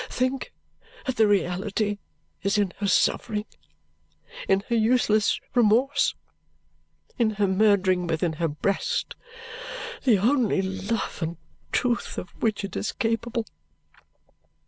Think that the reality is in her suffering, in her useless remorse, in her murdering within her breast the only love and truth of which it is capable!